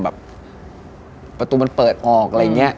แบบประตูมันเปิดออกไล่อีงนี้